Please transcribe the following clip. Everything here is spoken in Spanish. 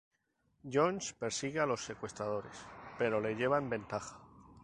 Jones persigue a los secuestradores, pero le llevan ventaja.